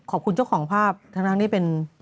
ขอบคุณเจ้าของภาพทางด้านนี้เป็น